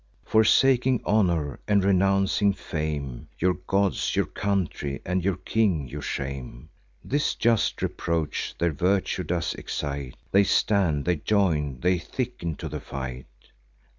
Forsaking honour, and renouncing fame, Your gods, your country, and your king you shame!" This just reproach their virtue does excite: They stand, they join, they thicken to the fight.